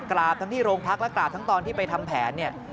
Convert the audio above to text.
ทั้งที่โรงพักและกราบทั้งตอนที่ไปทำแผนเนี่ย